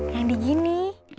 yang di gini